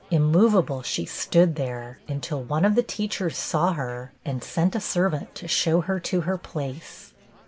Immov able she stood there, until one of the teach ers saw her, and sent a servant to show her to her place.